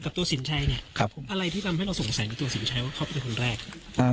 ตัวสินชัยเนี่ยอะไรที่ทำให้เราสงสัยในตัวสินชัยว่าเขาเป็นคนแรก